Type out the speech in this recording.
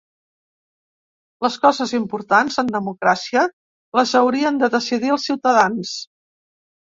Les coses importants, en democràcia, les haurien de decidir els ciutadans.